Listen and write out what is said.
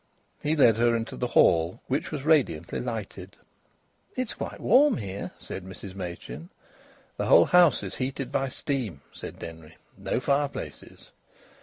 He led her into the hall, which was radiantly lighted. "It's quite warm here," said Mrs Machin. "The whole house is heated by steam," said Denry. "No fireplaces."